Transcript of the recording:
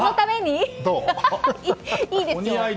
いいですよ。